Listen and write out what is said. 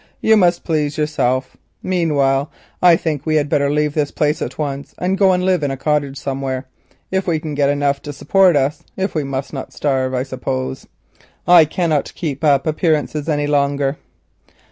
You must please yourself. Meanwhile I think we had better leave this place at once, and go and live in a cottage somewhere, if we can get enough to support us; if not we must starve, I suppose. I cannot keep up appearances any longer."